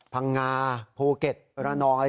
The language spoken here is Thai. พังงาภูเก็ตระนอง